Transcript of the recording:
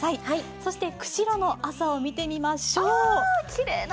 そして釧路の朝を見てみましょう。